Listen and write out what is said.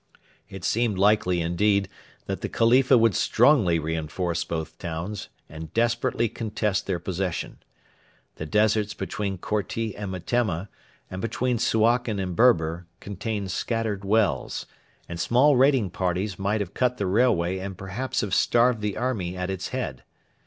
It seemed likely, indeed, that the Khalifa would strongly reinforce both towns, and desperately contest their possession. The deserts between Korti and Metemma, and between Suakin and Berber, contained scattered wells, and small raiding parties might have cut the railway and perhaps have starved the army at its head.